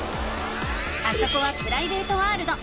あそこはプライベートワールド。